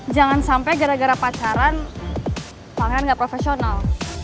jangan sampai gara gara pacaran pangeran nggak profesional